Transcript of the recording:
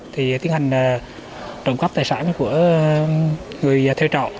thì tiến hành trồng cắp tài sản của người theo trọ